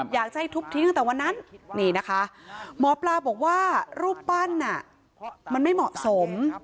อยากจะให้ทุบทิ้งตั้งแต่วันนั้นนี่นะคะหมอปลาบอกว่ารูปปั้นมันไม่เหมาะสม